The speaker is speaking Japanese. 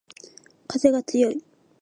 かぜがつよい